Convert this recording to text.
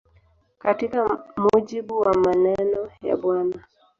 Katika mujibu wa maneno ya Bw.